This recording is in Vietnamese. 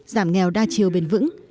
giảm nghèo đa chiều bền vững